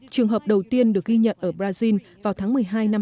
trường hợp đầu tiên được ghi nhận ở brazil vào tháng một mươi hai năm hai nghìn hai mươi